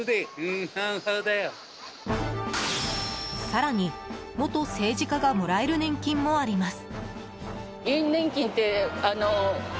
更に、元政治家がもらえる年金もあります。